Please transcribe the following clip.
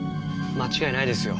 間違いないですよ。